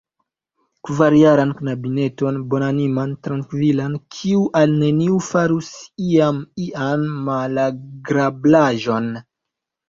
Kvarjaran knabineton, bonaniman, trankvilan, kiu al neniu farus iam ian malagrablaĵon.